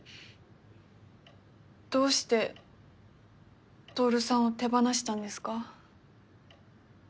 どうして透さんを手放したんですか？